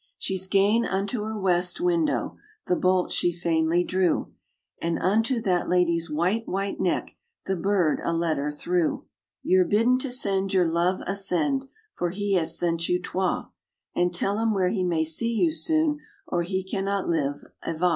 She's gane unto her west window", The bolt she fainly drew; And unto that lady's white, white neck The bird a letter threw. ' Ye're bidden to send your love a send, For he has sent you twa; */' And tell him where he may see you soon, Or he cannot live ava.'